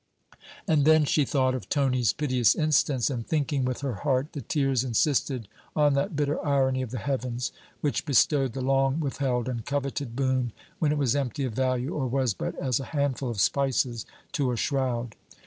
And then she thought of Tony's piteous instance; and thinking with her heart, the tears insisted on that bitter irony of the heavens, which bestowed the long withheld and coveted boon when it was empty of value or was but as a handful of spices to a shroud.